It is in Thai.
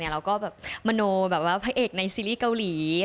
แล้วก็แบบมโนแบบว่าพระเอกในซีรีส์เกาหลี